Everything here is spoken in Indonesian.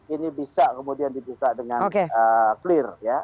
ini bisa kemudian dibuka dengan clear ya